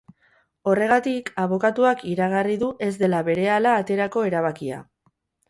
Horregatik, abokatuak iragarri du ez dela berehala aterako eabakia.